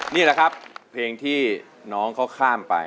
นี่แหละครับเพลงที่น้องเขาข้ามไป